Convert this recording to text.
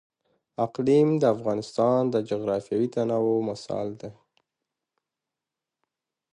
اقلیم د افغانستان د جغرافیوي تنوع مثال دی.